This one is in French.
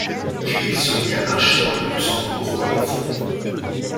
Puis il se mit à marcher dans le Luxembourg comme un fou.